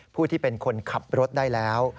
ผู้ที่เป็นคนขับรถได้แล้ว